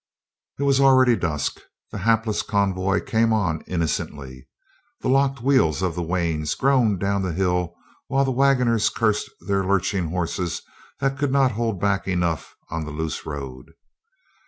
It was already dusk. The hapless convoy came on innocently. The locked wheels of the wains groaned down the hill while the wagoners cursed their lurching horses that could not hold back enough on the loose road.